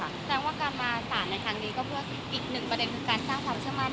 แสดงว่าการมาสารในครั้งนี้ก็เพื่ออีกหนึ่งประเด็นคือการสร้างความเชื่อมั่น